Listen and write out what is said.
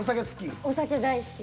お酒好き？